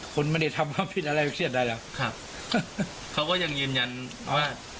คนไม่ได้ทำความผิดอะไรเครียดใดหรอกครับเขาก็ยังยืนยันว่า